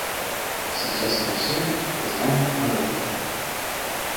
Сейчас мы все знаем об этом.